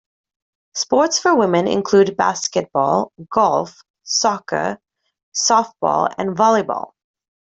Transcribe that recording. Sports for women include basketball, golf, soccer, softball and volleyball.